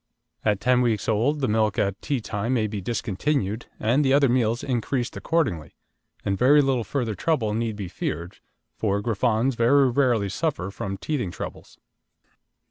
At ten weeks old the milk at tea time may be discontinued and the other meals increased accordingly, and very little further trouble need be feared, for Griffons very rarely suffer from teething troubles.